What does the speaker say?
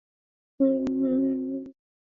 franca prentice alichukuliwa na mashua ya kuokolea